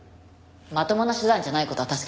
まともな手段じゃない事は確かよね。